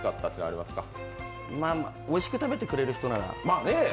まあおいしく食べてくれる人なら。